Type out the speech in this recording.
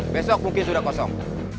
besok mungkin sudah kosong